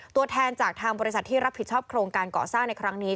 ตัวแทนจากทางบริษัทที่รับผิดชอบโครงการก่อสร้างในครั้งนี้